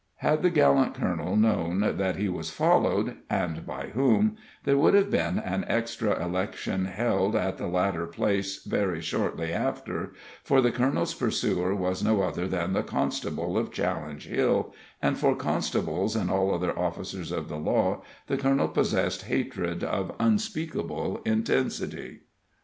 Had the gallant colonel known that he was followed, and by whom, there would have been an extra election held at the latter place very shortly after, for the colonel's pursuer was no other than the constable of Challenge Hill, and for constables and all other officers of the law the colonel possessed hatred of unspeakable intensity.